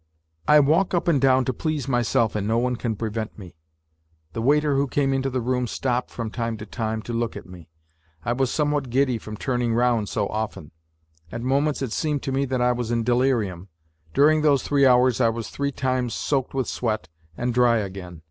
" I walk up and down to please myself and no one can prevent me." The waiter who came into the room stopped, from time to time, to look at me. I was somewhat giddy from turning round so often; at moments it seemed to me that I was in delirium. During those three hours I was three times soaked with sweat and dry again.